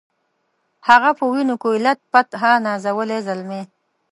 هغه په وینو کي لت پت ها نازولی زلمی